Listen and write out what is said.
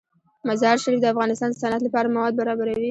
مزارشریف د افغانستان د صنعت لپاره مواد برابروي.